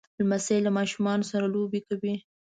لمسی له ماشومو سره لوبې کوي.